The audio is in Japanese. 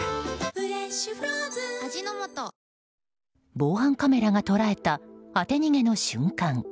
防犯カメラが捉えた当て逃げの瞬間。